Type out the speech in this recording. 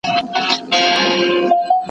د خوندیتوب اصول د ښووني په پروسه کي شامل دي.